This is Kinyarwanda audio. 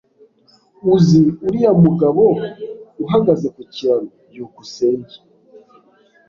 Uzi uriya mugabo uhagaze ku kiraro? byukusenge